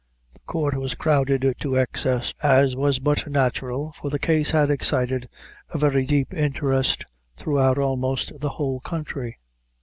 The court was crowded to excess, as was but natural, for the case had excited a very deep interest throughout almost the whole country.